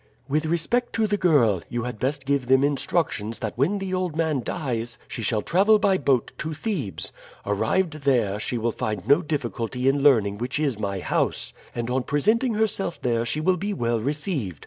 With respect to the girl, you had best give them instructions that when the old man dies she shall travel by boat to Thebes; arrived there, she will find no difficulty in learning which is my house, and on presenting herself there she will be well received.